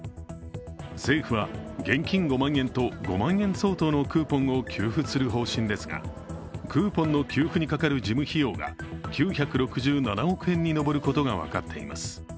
政府は、現金５万円と５万円相当のクーポンを給付する予定ですがクーポンの給付にかかる事務費用が９６７億円に上ることが分かっています。